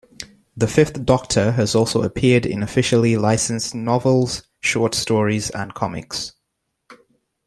The Fifth Doctor has also appeared in officially licensed novels, short stories and comics.